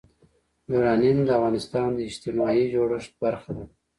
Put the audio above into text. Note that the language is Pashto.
یورانیم د افغانستان د اجتماعي جوړښت برخه ده.